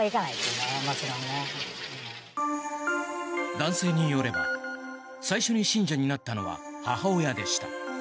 男性によれば最初に信者になったのは母親でした。